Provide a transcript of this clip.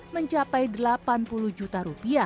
mencapai rp delapan puluh juta